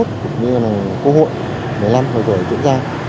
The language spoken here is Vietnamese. cũng như là quốc hội một mươi năm hồi tuổi chuyển sang